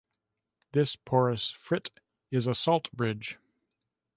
This porous frit is a salt bridge.